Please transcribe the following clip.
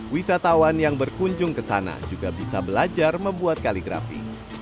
wisatawan yang berkunjung ke sana juga bisa belajar membuat kaligrafi